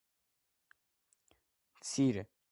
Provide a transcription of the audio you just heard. მცირე მოცულობის პოემა „იბისი“ დაკარგულია.